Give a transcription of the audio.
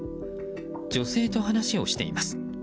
女性と話をしています。